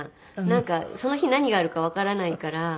なんかその日何があるかわからないからですかね。